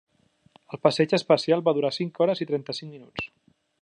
El passeig espacial va durar cinc hores i trenta-cinc minuts.